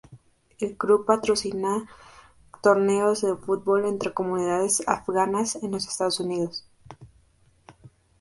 El club patrocina torneos de fútbol entre comunidades Afganas en los Estados Unidos.